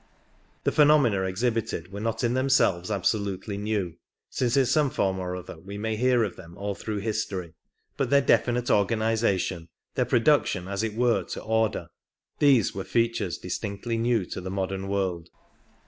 The phenomena exhibited were not in themselves absolutely new, since in some form or other we may hear of them all through history ; but their definite organization — their production as it were to order — these were features distinctly new to the modern world.